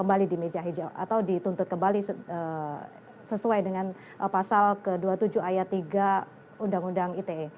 atau dituntut kembali sesuai dengan pasal dua puluh tujuh ayat tiga undang undang ite